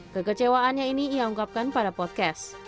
kekecewaannya ini ia ungkapkan pada podcast